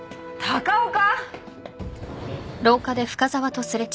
高岡。